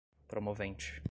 promovente